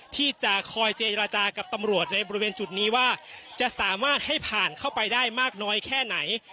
ที่จะคอยเจรจากับตำรวจในบริเวณจุดนี้ว่าจะสามารถให้ผ่านเข้าไปได้มากน้อยแค่ไหน